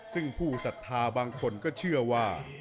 ซึ่งผู้ศรัทธาบางคนก็เชื่อว่า